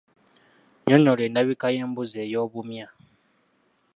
Nnyonnyola endabika y’embuzi ey’obumya.